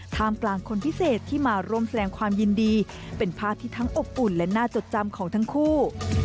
กลางคนพิเศษที่มาร่วมแสดงความยินดีเป็นภาพที่ทั้งอบอุ่นและน่าจดจำของทั้งคู่